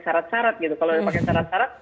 syarat syarat gitu kalau dipakai syarat syarat